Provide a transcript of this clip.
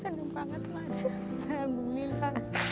senang banget mas alhamdulillah